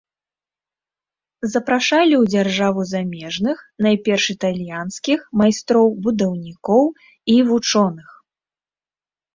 Запрашалі ў дзяржаву замежных, найперш італьянскіх майстроў, будаўнікоў і вучоных.